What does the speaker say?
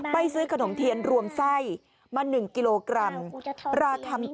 ซื้อขนมเทียนรวมไส้มา๑กิโลกรัมราคา